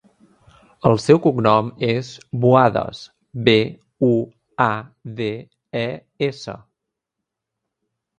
El seu cognom és Buades: be, u, a, de, e, essa.